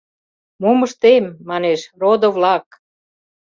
— Мом ыштем, — манеш, — родо-влак?!